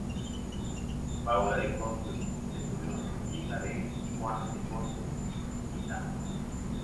Paula de Cossio y Centurión, hija de D. Juan de Cossio y Da.